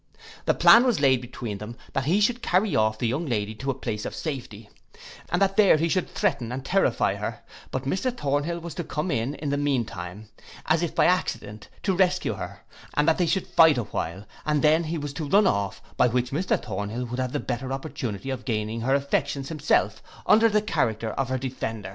The plan was laid between them that he should carry off the young lady to a place of safety, and that there he should threaten and terrify her; but Mr Thornhill was to come in in the mean time, as if by accident, to her rescue, and that they should fight awhile and then he was to run off, by which Mr Thornhill would have the better opportunity of gaining her affections himself under the character of her defender.